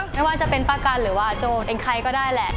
ไม่ว่าจะเป็นป้ากันหรือว่าโจรเป็นใครก็ได้แหละ